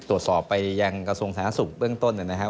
ตรวจสอบไปยังกระทรวงศาสตร์ศูนย์สูงเบื้องต้นนะครับ